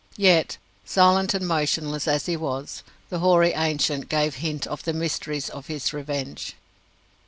Yet silent and motionless as he was the hoary ancient gave hint of the mysteries of his revenge.